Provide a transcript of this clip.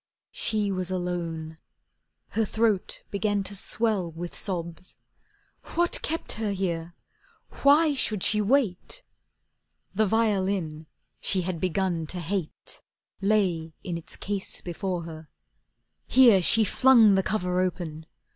She was alone. Her throat began to swell With sobs. What kept her here, why should she wait? The violin she had begun to hate Lay in its case before her. Here she flung The cover open.